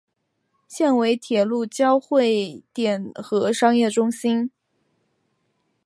现为铁路交会点和商业中心。